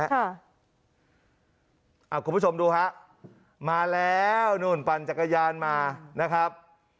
คุณผู้ชมดูฮะมาแล้วนู่นปั่นจักรยานมานะครับ